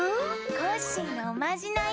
コッシーのおまじない。